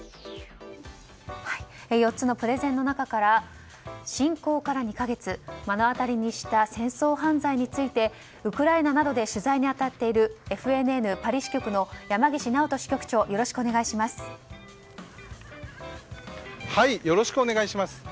４つのプレゼンの中から侵攻から２か月目の当たりにした戦争犯罪についてウクライナなどで取材に当たっているＦＮＮパリ支局の山岸直人支局長よろしくお願いします。